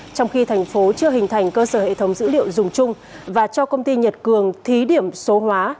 trong khi thành phố chưa hình thành cơ sở hệ thống dữ liệu dùng chung và cho công ty nhật cường thí điểm số hóa